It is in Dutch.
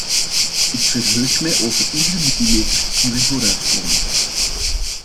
Ik verheug mij over iedere millimeter die wij vooruitkomen.